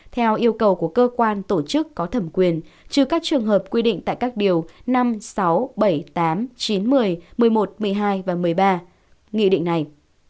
theo yêu cầu của cơ quan tổ chức có thẩm quyền trừ các trường hợp quy định tại các điều năm sáu bảy tám chín một mươi một mươi một một mươi hai và một mươi ba nghị định này